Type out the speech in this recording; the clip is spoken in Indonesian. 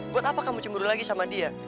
buat apa kamu cemburu lagi sama dia